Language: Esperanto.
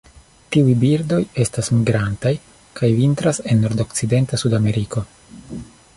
Tiuj birdoj estas migrantaj kaj vintras en nordokcidenta Sudameriko.